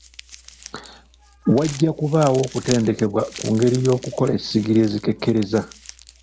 Wajja kubaawo okutendekebwa ku ngeri y'okukola essigiri ezikekkereza.